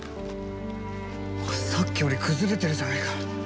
さっきより崩れてるじゃないか。